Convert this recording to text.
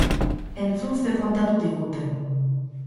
Entzun zer kontatu diguten.